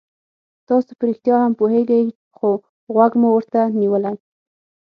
تاسو په رښتیا هم پوهېږئ خو غوږ مو ورته نیولی.